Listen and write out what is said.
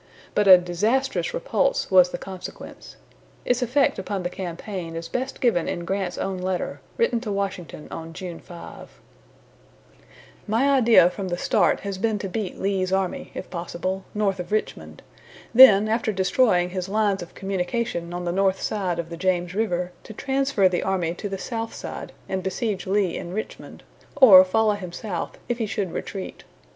But a disastrous repulse was the consequence. Its effect upon the campaign is best given in Grant's own letter, written to Washington on June 5: "My idea from the start has been to beat Lee's army, if possible, north of Richmond; then, after destroying his lines of communication on the north side of the James River, to transfer the army to the south side and besiege Lee in Richmond, or follow him south if he should retreat.